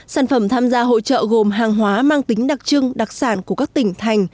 sản phẩm tham gia hội trợ gồm hàng hóa mang tính đặc trưng đặc sản của các tỉnh thành